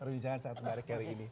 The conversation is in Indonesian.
terus di jalan sangat baik hari ini